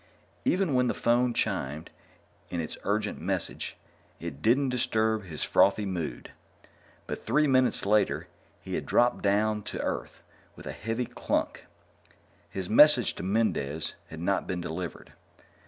_ Even when the phone chimed in its urgent message, it didn't disturb his frothy mood. But three minutes later he had dropped down to earth with a heavy clunk. His message to Mendez had not been delivered.